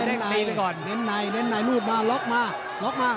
เล่นในเล่นในเล่นในมืดมาล็อกมาล็อกมา